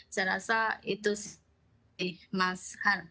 saya rasa itu sih mas